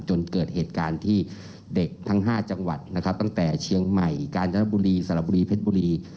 จนเกิดเหตุการณ์ที่เด็กทั้ง๕จังหวัดนะครับตั้งแต่เชียงใหม่กาญจนบุรีสระบุรีเพชรบุรี